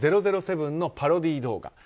「００７」のパロディー動画。